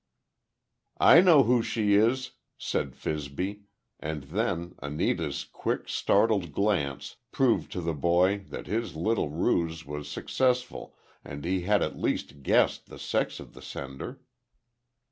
"I know who she is," said Fibsy, and then Anita's quick, startled glance proved to the boy that his little ruse was successful and he had at least guessed the sex of the sender.